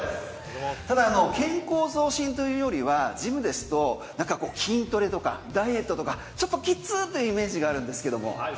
ただ、健康増進というよりはジムですとなんか筋トレとかダイエットとかちょっときついというイメージがあるんですが。